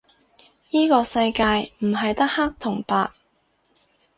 依個世界唔係得黑同白